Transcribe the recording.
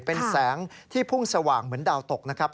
เป็นแสงที่พุ่งสว่างเหมือนดาวตกนะครับ